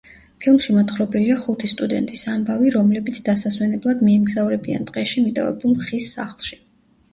ფილმში მოთხრობილია ხუთი სტუდენტის ამბავი, რომლებიც დასასვენებლად მიემგზავრებიან ტყეში მიტოვებულ ხის სახლში.